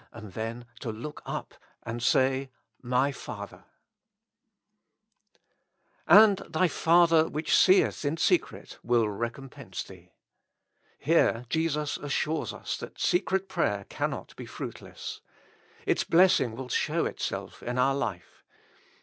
And then to look up and say : My Father !^^ And thy Father which seeth in secret^ will recom pense theey Here Jesus assures us that secret prayer cannot be fruitless ; its blessing will show itself in our life.